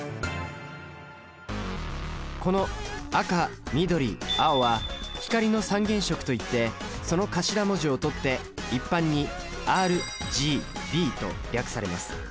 この赤緑青は光の三原色といってその頭文字を取って一般にＲＧＢと略されます。